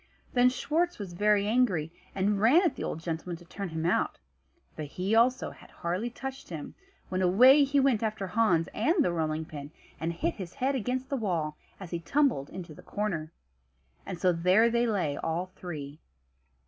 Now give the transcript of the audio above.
Then Schwartz was very angry, and ran at the old gentleman to turn him out; but he also had hardly touched him, when away he went after Hans and the rolling pin, and hit his head against the wall as he tumbled into the corner. And so there they lay, all three.